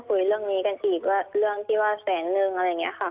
คุยเรื่องนี้กันอีกว่าเรื่องที่ว่าแสนนึงอะไรอย่างนี้ค่ะ